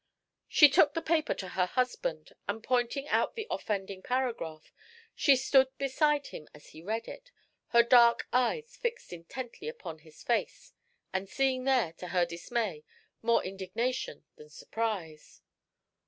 She took the paper to her husband, and pointing out the offending paragraph, she stood beside him as he read it, her dark eyes fixed intently upon his face, and seeing there, to her dismay, more indignation than surprise.